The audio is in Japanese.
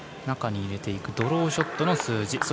中に入れていくドローショットの数字。